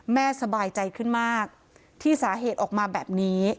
สบายใจขึ้นมากที่สาเหตุออกมาแบบนี้